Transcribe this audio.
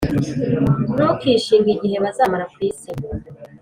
Ntukishinge igihe bazamara ku isi,